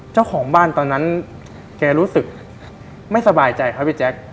เจ้าของบ้านตอนนั้นแกรู้สึกไม่สบายใจครับพี่แจ๊ค